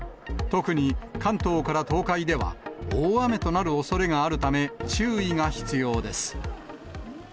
特に関東から東海では、大雨となるおそれがあるため、注意が必要です。